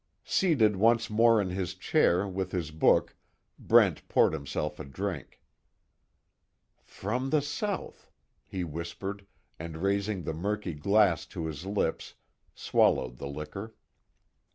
Seated once more in his chair with his book, Brent poured himself a drink, "From the South," he whispered, and raising the murky glass to his lips swallowed the liquor.